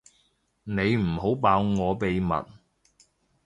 你唔好爆我秘密